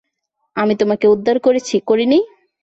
আমি তোমাকে উদ্ধার করেছি, করিনি?